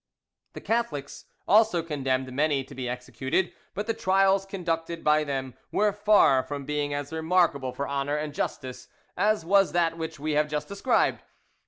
The Catholics also condemned many to be executed, but the trials conducted by then were far from being as remarkable for honour and justice as was that which we have just described.